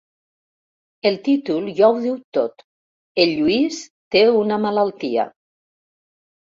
El títol ja ho diu tot: “El Lluís té una malaltia”.